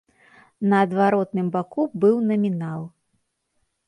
На адваротным баку быў намінал.